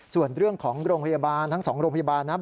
ส่วนเรื่องของโรงพยาบาลทั้ง๒โรงพยาบาลนะครับ